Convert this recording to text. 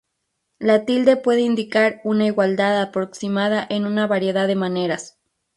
La tilde puede indicar una igualdad aproximada en una variedad de maneras.